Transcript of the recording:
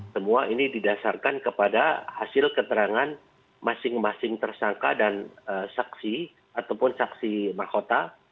semua ini didasarkan kepada hasil keterangan masing masing tersangka dan saksi ataupun saksi mahkota